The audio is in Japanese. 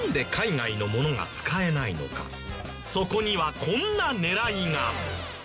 そこにはこんな狙いが。